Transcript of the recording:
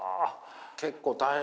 結構大変。